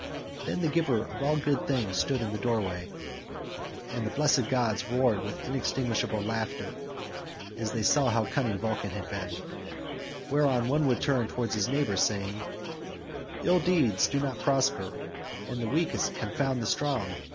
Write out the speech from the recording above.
Then the givers of all good things stood in the doorway, and the blessed gods roared with inextinguishable laughter, as they saw how cunning Vulcan had been, whereon one would turn towards his neighbour saying: "Ill deeds do not prosper, and the weak confound the strong.